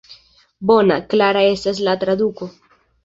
Bona, klara estas la traduko.